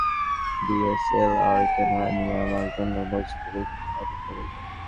আহা রে, মদনটা কালকেও ডিএসএলআর ক্যামেরা নিয়ে আমার জন্য ভার্সিটিতে অপেক্ষা করবে।